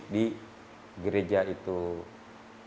dan beliau juga kebetulan main musik